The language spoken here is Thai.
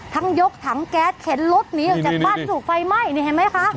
ทั้งยกถังแก๊สเข็นรถหนีออกจากบ้านที่ถูกไฟไหม้นี่เห็นไหมคะ